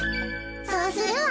そうするわ。